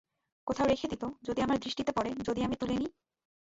কোথাও রেখে দিত, যদি আমার দৃষ্টিতে পড়ে, যদি আমি তুলে নিই।